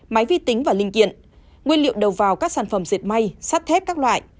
máy vi tính và linh kiện nguyên liệu đầu vào các sản phẩm diệt may sắt thép các loại